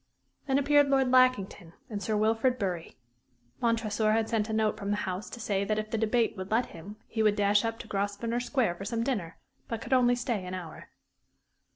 Then appeared Lord Lackington and Sir Wilfrid Bury. Montresor had sent a note from the House to say that if the debate would let him he would dash up to Grosvenor Square for some dinner, but could only stay an hour.